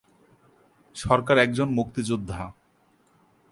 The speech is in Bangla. সরকার একজন মুক্তিযোদ্ধা।